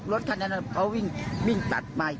รถเก๋งน่ะ